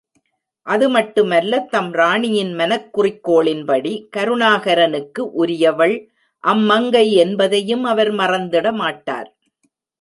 அது மட்டுமல்ல தம் ராணியின் மனக் குறிக்கோளின்படி, கருணாகரனுக்கு உரியவள் அம்மங்கை என்பதையும் அவர் மறந்திட மாட்டார்!